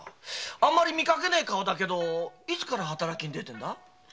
あまり見かけねえ顔だけどいつから働きに出てるんだ？